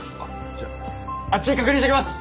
じゃああっち確認してきます！